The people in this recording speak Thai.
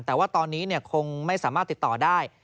แต่ว่าตอนนี้คงไม่สามารถติดต่อได้